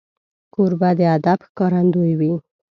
کوربه د ادب ښکارندوی وي.